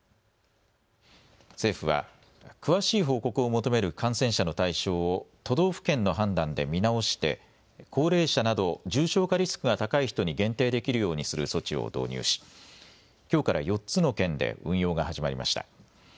政府は詳しい報告を求める感染者の対象を都道府県の判断で見直して高齢者など重症化リスクが高い人に限定できるようにする措置を導入しきょうから４つの県で運用が始まりました。